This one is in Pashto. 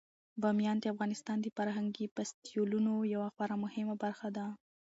بامیان د افغانستان د فرهنګي فستیوالونو یوه خورا مهمه برخه ده.